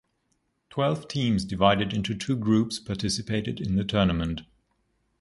Twelve teams divided into two groups participated in the tournament.